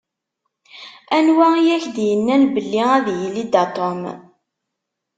Anwa i ak-d-yennan belli ad yili da Tom?